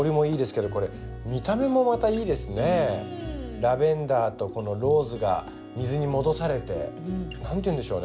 ラベンダーとローズが水に戻されて何て言うんでしょうね